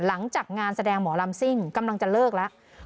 หลังจากงานแสดงหมอลำซิ่งกำลังจะเลิกแล้ว